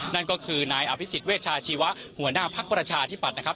นั่นก็คือนายอภิษฎเวชาชีวะหัวหน้าภักดิ์ประชาธิปัตยนะครับ